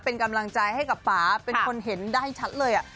เป็นกำลังใจให้กับป๊าเป็นคนเห็นได้ชัดเลย